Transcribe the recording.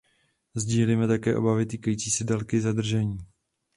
Sdílíme také obavy týkající se délky zadržení.